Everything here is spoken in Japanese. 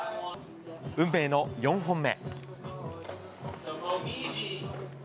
運命の４本目。